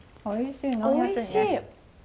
おいしい！